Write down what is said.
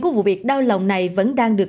của vụ việc đau lòng này vẫn đang được